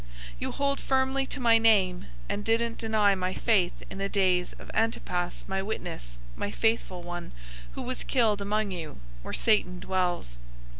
You hold firmly to my name, and didn't deny my faith in the days of Antipas my witness, my faithful one, who was killed among you, where Satan dwells.